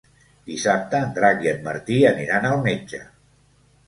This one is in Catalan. Dissabte en Drac i en Martí aniran al metge.